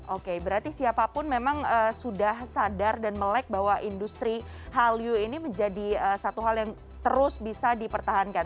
oke berarti siapapun memang sudah sadar dan melek bahwa industri hallyu ini menjadi satu hal yang terus bisa dipertahankan